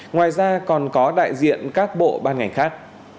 ngoài ra còn có đại diện các bộ ban ngành khác